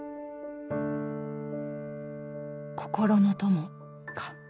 心の友か。